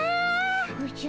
おじゃ。